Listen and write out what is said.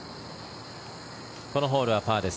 このホールはパーです